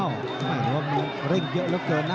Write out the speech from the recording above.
อเจมส์เริ่มหยุดไปนิดนะ